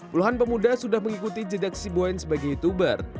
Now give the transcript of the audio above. puluhan pemuda sudah mengikuti jeda sibuen sebagai youtuber